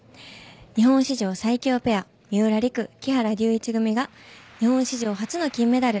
日本史上最強ペア三浦璃来・木原龍一組が日本史上初の金メダル